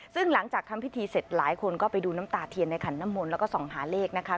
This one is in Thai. ซึ่งหลังจากทำพิธีเสร็จหลายคนก็ไปดูน้ำตาเทียนในขันน้ำมนต์แล้วก็ส่องหาเลขนะคะ